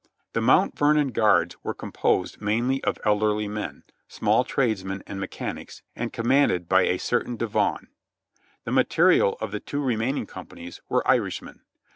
The Mount Vernon Guards was composed mainly of elderly men, small tradesmen and mechanics, and commanded by a certain Devaugn. The material of the two remaining companies were Irishmen.